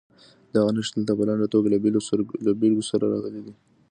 دغه نښې دلته په لنډه توګه له بېلګو سره راغلي دي.